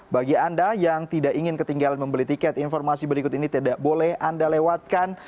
bagi anda yang tidak ingin ketinggalan membeli tiket informasi berikut ini tidak boleh anda lewatkan